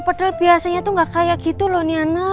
padahal biasanya tuh gak kayak gitu loh niana